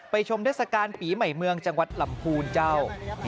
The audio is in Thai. ชมเทศกาลปีใหม่เมืองจังหวัดลำพูนเจ้า